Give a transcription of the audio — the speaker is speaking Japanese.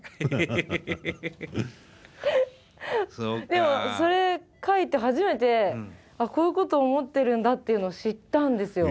でもそれ書いて初めてこういうこと思ってるんだっていうのを知ったんですよ。